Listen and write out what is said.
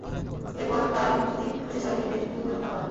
এরপরে তাঁর ধুতি খুলে ছয়জনকে বেঁধে গুলি করে হত্যা করা হয়।